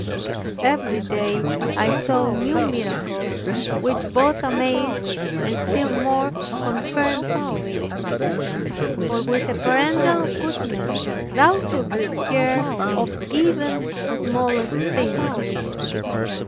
Every day I saw new miracles, which both amazed and still more confirmed me; for with a paternal goodness Thou tookest care of even the smallest things.